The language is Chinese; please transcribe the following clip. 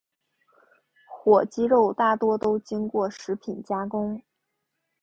火鸡肉大多都经过食品加工。